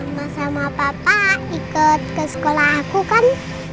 sama papa ikut ke sekolah aku kan